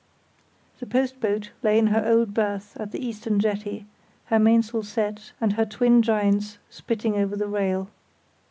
The post boat lay in her old berth at the eastern jetty, her mainsail set and her twin giants spitting over the rail.